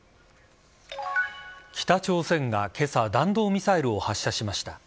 北朝鮮が今朝弾道ミサイルを発射しました。